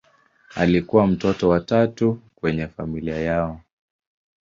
Alikuwa mtoto wa tatu kwenye familia yao.